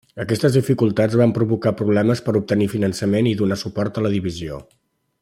Aquestes dificultats van provocar problemes per obtenir finançament i donar suport a la divisió.